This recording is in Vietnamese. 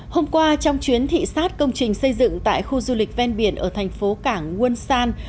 hôm qua trong chuyến thị sát công trình xây dựng tại khu du lịch ven biển ở thành phố cảng wonsan